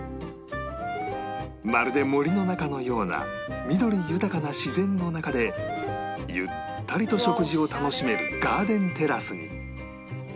まるで森の中のような緑豊かな自然の中でゆったりと食事を楽しめるガーデンテラスに